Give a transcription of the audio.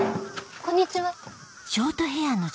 こんにちは。